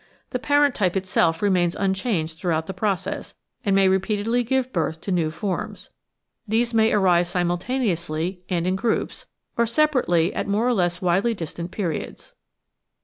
The parent type itself remains imchanged throughout the process, and may repeat edly give birth to new forms. These may arise simultaneously and in groups, or separately at more or less widely distant periods."